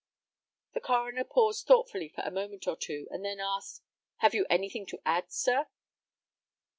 The coroner paused thoughtfully for a moment or two, and then asked, "Have you anything to add, sir?"